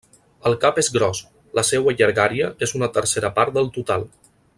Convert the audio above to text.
El cap és gros, la seua llargària és una tercera part del total.